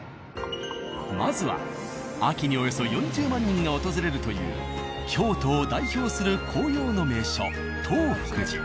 まずは秋におよそ４０万人が訪れるという京都を代表する紅葉の名所東福寺。